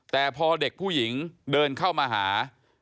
แต่พอเด็กผู้หญิงเดินเข้ามาหา